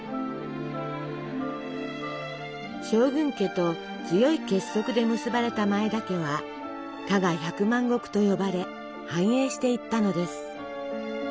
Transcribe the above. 将軍家と強い結束で結ばれた前田家は「加賀百万石」と呼ばれ繁栄していったのです。